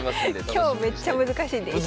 今日めっちゃ難しいです。